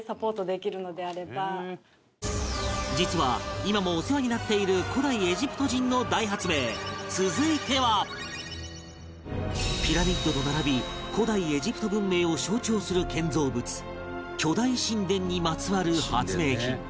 実は、今もお世話になっている古代エジプト人の大発明続いてはピラミッドと並び古代エジプト文明を象徴する建造物巨大神殿にまつわる発明品